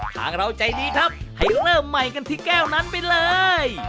ทางเราใจดีครับให้เริ่มใหม่กันที่แก้วนั้นไปเลย